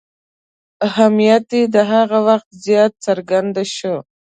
اهمیت یې هغه وخت زیات څرګند شو.